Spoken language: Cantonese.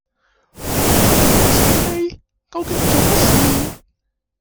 無厘神氣，究竟做乜事？